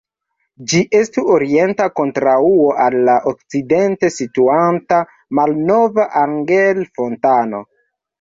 Ĝi estu orienta kontraŭo al la okcidente situanta Malnova Anger-fontano.